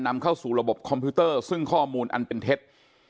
นำเข้าสู่ระบบคอมพิวเตอร์ซึ่งข้อมูลอันเป็นเท็จ